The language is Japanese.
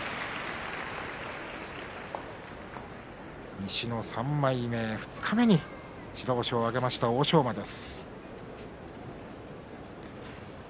西の３枚目二日目に白星を挙げました欧勝馬です。